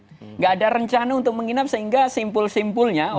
tidak ada rencana untuk menginap sehingga simpul simpulnya